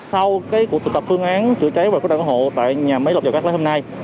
sau cái cuộc thực tập phương án chữa cháy và quyết định ủng hộ tại nhà máy lọc dầu cắt lấy hôm nay